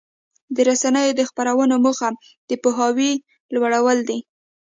د رسنیو د خپرونو موخه د پوهاوي لوړول دي.